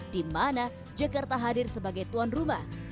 dimana jakarta hadir sebagai tuan rumah